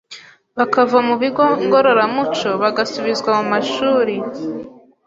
bakava mu bigo ngororamuco bagasubizwa mu ishuri